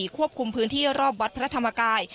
ควบคุมพื้นที่รอบวัดพระธรรมกาย